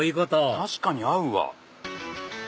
確かに合うわ。